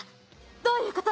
どういうこと？